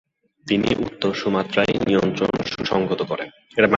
তিনি উত্তর সুমাত্রায় নিয়ন্ত্রণ সুসংহত করেন।